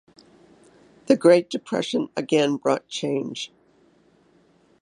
The Great Depression again brought change.